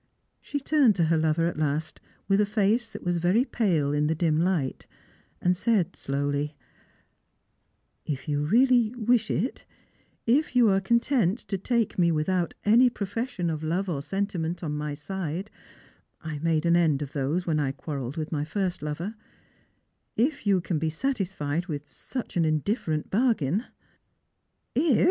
She turned to her lover at last, with a face that was very pale in the dim light, and said slowly, " If you really wish it, if you are content to take me without any profession of love or sentiment on my side — I made an end of those when I quarrelled with my first lover — if you can be satisfied with such an indifferent bargain "" If!"